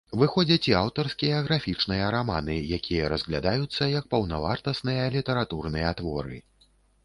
Выходзяць і аўтарскія графічныя раманы, якія разглядаюцца як паўнавартасныя літаратурныя творы.